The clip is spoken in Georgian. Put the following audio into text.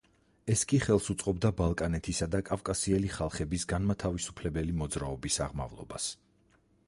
ეს კი ხელს უწყობდა ბალკანეთისა და კავკასიელი ხალხების განმათავისუფლებელი მოძრაობის აღმავლობას.